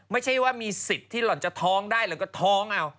ไม่ใช่ว่ามีสิทธิ์ที่หล่อนจะท้องได้หรือก็ท้อง